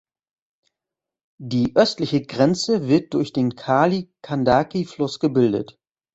Die östliche Grenze wird durch den Kali Gandaki Fluss gebildet.